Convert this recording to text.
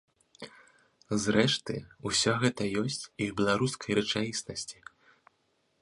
Зрэшты, усё гэта ёсць і ў беларускай рэчаіснасці.